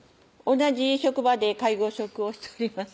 同じ職場で介護職をしております